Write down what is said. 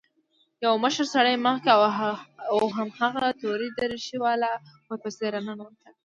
يو مشر سړى مخکې او هماغه تورې دريشۍ والا ورپسې راننوتل.